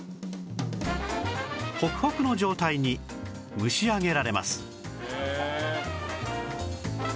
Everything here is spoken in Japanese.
ホクホクの状態に蒸し上げられます